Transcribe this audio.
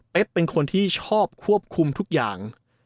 เป็นคนที่ชอบควบคุมทุกอย่าง